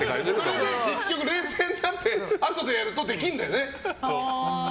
それで結局、冷静になってあとでやるとできるんだよね。